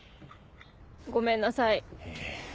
ごめんなさい。